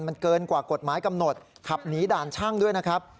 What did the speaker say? มันเกินกว่ากฎหมายกำหนดขับหนีด่านช่างด้วยนะครับ